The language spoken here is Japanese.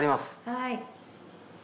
はい。